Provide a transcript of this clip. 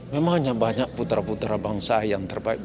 memang hanya banyak putra putra bangsa yang terbaik